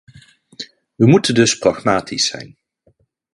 We moeten dus pragmatisch zijn.